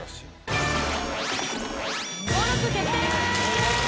登録決定！